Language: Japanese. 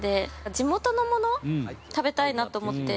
地元のものを食べたいなと思って。